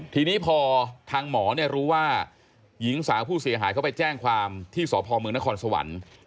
ทีนี้พอทางหมอรู้ว่าหญิงสาวผู้เสียหายเขาไปแจ้งความที่สพมนครสวรรค์